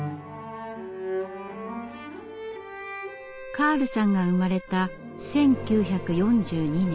カールさんが生まれた１９４２年。